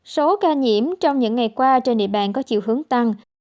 số ca nhiễm trong những ngày qua trên địa bàn có chiều hướng tăng